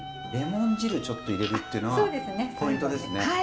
レモン汁ちょっと入れるっていうのはポイントですね。